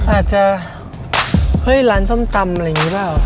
อาจจะเฮ้ยร้านส้มตำอะไรอย่างนี้เปล่า